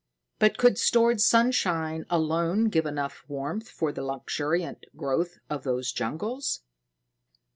"But could stored sunshine alone give enough warmth for the luxuriant growth of those jungles?"